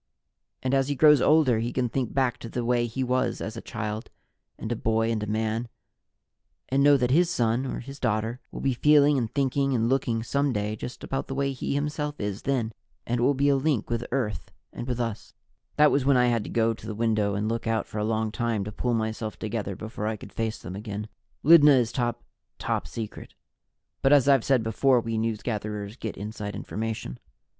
"And as he grows older, he can think back to the way he was as a child and a boy and a man, and know that his son, or his daughter, will be feeling and thinking and looking some day just about the way he himself is then, and it will be a link with Earth and with us " That was when I had to go to the window and look out for a long time to pull myself together before I could face them again. Lydna is top top secret, but as I've said before, we newsgatherers get inside information.